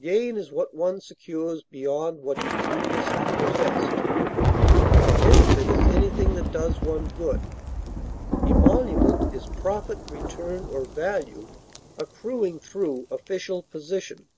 Gain is what one secures beyond what he previously possessed. Benefit is anything that does one good. Emolument is profit, return, or value accruing through official position.